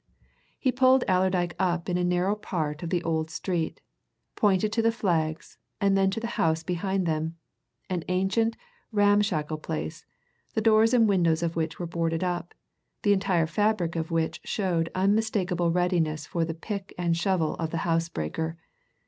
He pulled Allerdyke up in a narrow part of the old street, jointed to the flags, and then to the house behind them an ancient, ramshackle place, the doors and windows of which were boarded up, the entire fabric of which showed unmistakable readiness for the pick and shovel of the house breaker.